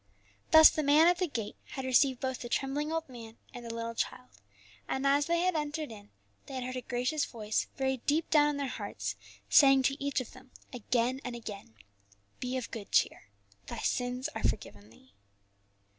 Thus the man at the gate had received both the trembling old man and the little child, and as they had entered in they had heard a gracious voice very deep down in their hearts, saying to each of them again and again, "Be of good cheer, thy sins are forgiven thee."